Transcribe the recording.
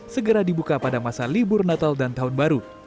segera dibuka pada masa libur natal dan tahun baru